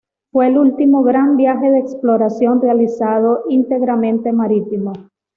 Fue el último gran viaje de exploración realizado íntegramente marítimo.